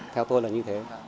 theo tôi là như thế